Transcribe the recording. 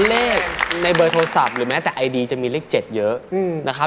เลขในเบอร์โทรศัพท์หรือแม้แต่ไอดีจะมีเลข๗เยอะนะครับ